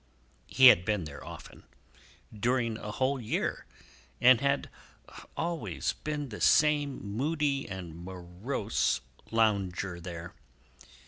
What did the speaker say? He had been there often, during a whole year, and had always been the same moody and morose lounger there.